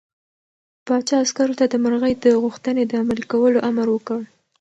پاچا عسکرو ته د مرغۍ د غوښتنې د عملي کولو امر وکړ.